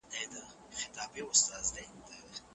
موږ د غير اقتصادي شرايطو ارزونه کوو.